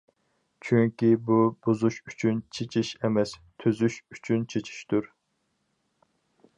چۈنكى بۇ بۇزۇش ئۈچۈن چېچىش ئەمەس، تۈزۈش ئۈچۈن چېچىشتۇر.